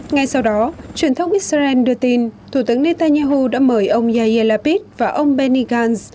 ngay sau đó truyền thông israel đưa tin thủ tướng netanyahu đã mời ông yair lapid và ông benny gantz